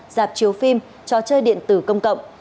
dạp chiếu phim cho chơi điện tử công cộng